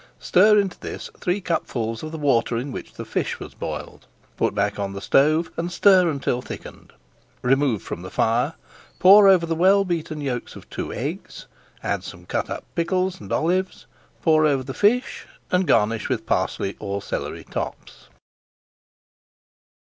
Stir into this three cupfuls of the water in which the fish was boiled, put back on the stove, and stir until thickened. Remove from the fire, pour over the well beaten yolks of two eggs, add some cut up pickles and olives, pour over the fish, and garnish with parsley or celery tops.